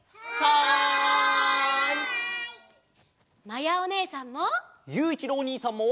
まやおねえさんも！